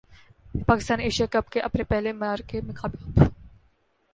Pakistan Asia Cup کے اپنے پہلے معرکے میں کامیاب